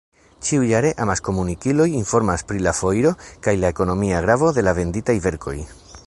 Ĉiujare amaskomunikiloj informas pri la foiro kaj la ekonomia gravo de la venditaj verkoj.